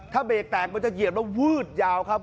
ถ้าเบรกแตกมันจะเหยียดแล้ววืดยาวครับ